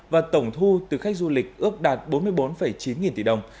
và tổng thu từ khách du lịch ước đạt bốn mươi bốn chín nghìn tỷ đồng